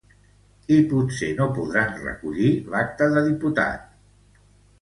I potser no podran recollir l’acta de diputat.